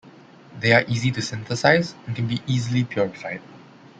They are easy to synthesize and can be easily purified.